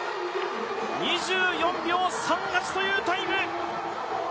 ２４秒３８というタイム。